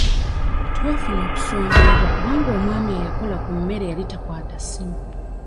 Twafuna okusumbuyibwa kubanga omwami eyakola ku mmere yali takwata ssimu.